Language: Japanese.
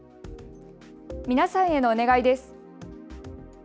皆さんへのお願いです。